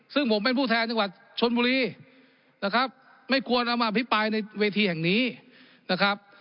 ซึ่งผมเป็นผู้แทนจังหวัดชนบุรีนะครับไม่ควรเอามาอภิปรายในเวทีแห่งนี้นะครับ